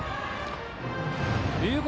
龍谷